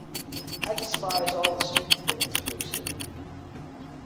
I despise all the stupid things you have said.